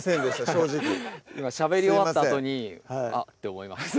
正直今しゃべり終わったあとにあって思いました